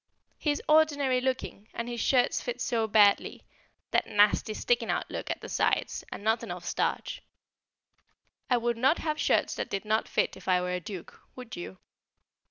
He is ordinary looking, and his shirts fit so badly that nasty sticking out look at the sides, and not enough starch. I would not have shirts that did not fit if I were a Duke, would you?